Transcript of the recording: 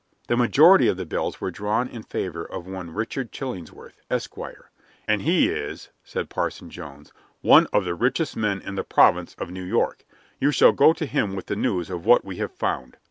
The majority of the bills were drawn in favor of one Richard Chillingsworth, Esquire. "And he is," said Parson Jones, "one of the richest men in the province of New York. You shall go to him with the news of what we have found."